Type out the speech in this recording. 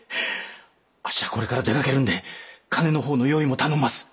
あっしゃあこれから出かけるんで金のほうの用意も頼んます。